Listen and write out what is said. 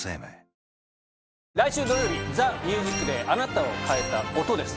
来週土曜日、ＴＨＥＭＵＳＩＣＤＡＹあなたを変えた音。です。